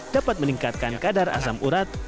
dapat meningkatkan kadar asam urat